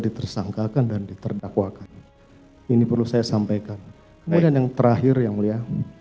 ditersangkakan dan diterdakwakan ini perlu saya sampaikan kemudian yang terakhir yang mulia